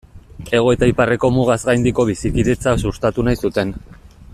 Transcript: Hego eta Iparreko mugaz gaindiko bizikidetza sustatu nahi zuten.